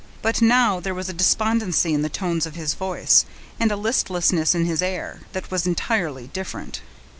But now there was a despondency in the tones of his voice, and a listlessness in his air, that was entirely different.